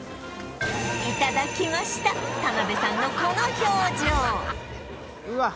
いただきました田辺さんのこの表情うわっ！